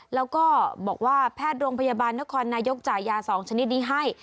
แล้วก็บอกว่าแพทย์โรงพยาบาลนครนายกจ่ายยา๒ชนิดนี้ให้